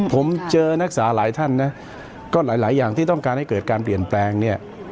ผมเจอนักศึกษาหลายท่านนะก็หลายอย่างที่ต้องการให้เกิดการเปลี่ยนแปลงเนี่ย